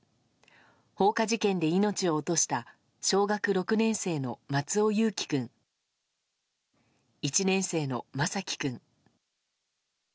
放火事件で命を落とした小学６年生の松尾侑城君１年生の眞輝君。